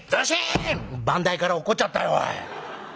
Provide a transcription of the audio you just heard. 「番台から落っこっちゃったよおい。